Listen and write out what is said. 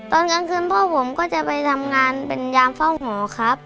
ตอนกลางคืนพ่อผมก็จะไปทำงานเป็นยามเฝ้าหมอครับ